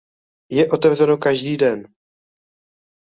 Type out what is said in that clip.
Je otevřeno každý den.